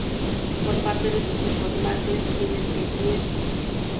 Por parte de sus hijos Markle tiene seis nietos.